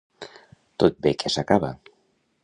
Tot ve que s'acaba.